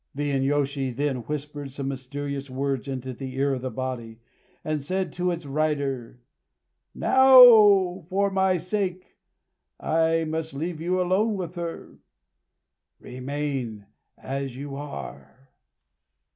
The inyôshi then whispered some mysterious words into the ear of the body, and said to its rider: "Now, for my own sake, I must leave you alone with her.... Remain as you are!...